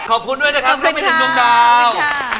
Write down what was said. ขอบคุณด้วยนะครับร่วมให้ดนตรงดาว